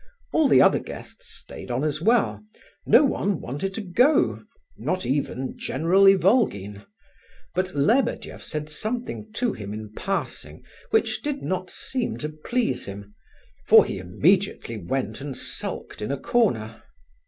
All the other guests stayed on as well; no one wanted to go, not even General Ivolgin, but Lebedeff said something to him in passing which did not seem to please him, for he immediately went and sulked in a corner.